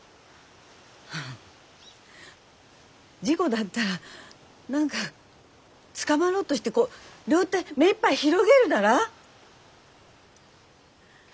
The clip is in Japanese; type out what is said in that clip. あ事故だったら何かつかまろうとしてこう両手目いっぱい広げるだら？